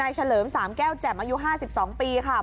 เฉลิม๓แก้วแจ่มอายุ๕๒ปีค่ะ